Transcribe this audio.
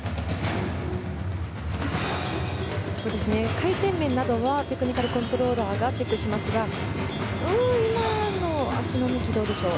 回転面などはテクニカルコントローラーがチェックしますが今の足の向きはどうでしょう。